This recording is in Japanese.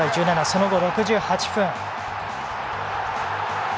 その後、６８分。